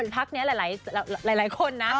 ภาคเนี่ยหลายคนนะ